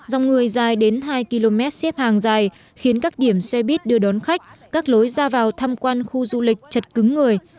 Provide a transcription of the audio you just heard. dòng người dài đến hai km xếp hàng dài khiến các điểm xe buýt đưa đón khách các lối ra vào thăm quan khu du lịch chật cứng người